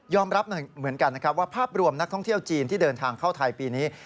รับเหมือนกันนะครับว่าภาพรวมนักท่องเที่ยวจีนที่เดินทางเข้าไทยปีนี้